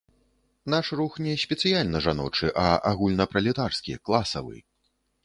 Наш рух не спецыяльна жаночы, а агульнапралетарскі, класавы.